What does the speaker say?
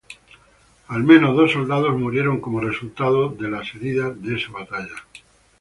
Al menos dos soldados murieron como resultado de las heridas de esa batalla.